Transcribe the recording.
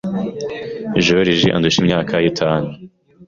Joriji andusha imyaka itanu.